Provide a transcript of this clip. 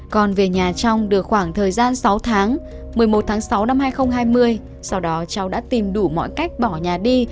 còn về nhà trong được khoảng thời gian sáu tháng một mươi một tháng sáu năm hai nghìn hai mươi sau đó cháu đã tìm đủ mọi cách bỏ nhà đi